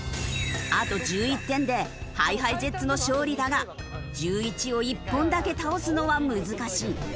あと１１点でＨｉＨｉＪｅｔｓの勝利だが１１を１本だけ倒すのは難しい。